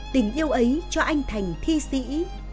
tình yêu ấy cho anh thành thi sĩ